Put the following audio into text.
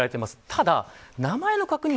ただ名前の確認